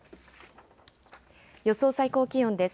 予想最高気温です。